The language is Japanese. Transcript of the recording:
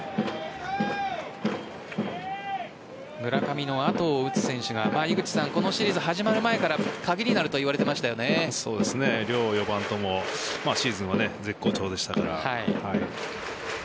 村上の後を打つ選手がこのシリーズ始まる前からかげりがあると両４番ともシーズンは絶好調でしたから。